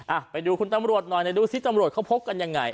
อ่ะไปดูคุณตำรวจหน่อยนะดูสิตำรวจเขาพบกันยังไง